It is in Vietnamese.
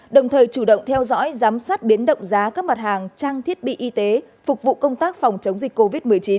đồng thời chủ động theo dõi giám sát biến động giá các mặt hàng trang thiết bị y tế phục vụ công tác phòng chống dịch covid một mươi chín